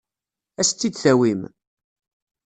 Ad as-tt-id-tawim?